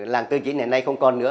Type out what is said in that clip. làng tư chính ngày nay không còn nữa